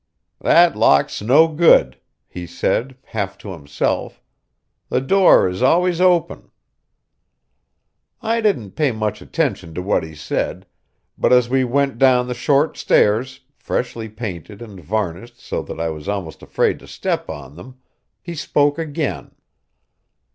"That lock's no good," he said, half to himself. "The door is always open." I didn't pay much attention to what he said, but as we went down the short stairs, freshly painted and varnished so that I was almost afraid to step on them, he spoke again.